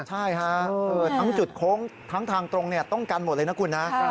ใช่ฮะทั้งจุดโค้งทั้งทางตรงต้องกันหมดเลยนะคุณนะ